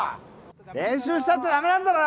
練習したってダメなんだろ？